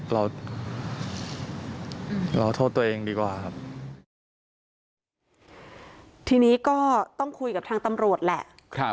เราเราโทษตัวเองดีกว่าครับทีนี้ก็ต้องคุยกับทางตำรวจแหละ